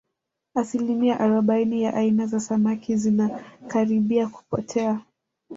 asilimia arobaini ya aina za samaki zinakaribia kupotea